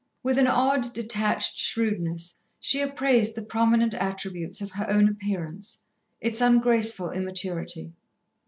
With an odd, detached shrewdness, she appraised the prominent attributes of her own appearance, its ungraceful immaturity.